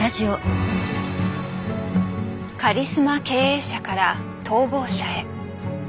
カリスマ経営者から逃亡者へ。